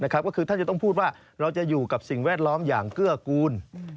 ก็คือท่านจะต้องพูดว่าเราจะอยู่กับสิ่งแวดล้อมอย่างเกื้อกูล